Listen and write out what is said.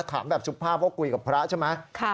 ถามแบบสุภาพเพราะคุยกับพระใช่ไหม